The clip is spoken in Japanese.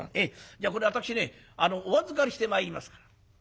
じゃあこれ私ねお預かりしてまいりますから」。